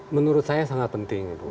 menurut saya sangat penting